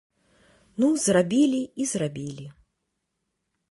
Ну, зрабілі і зрабілі.